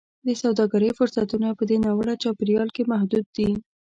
د سوداګرۍ فرصتونه په دې ناوړه چاپېریال کې محدود دي.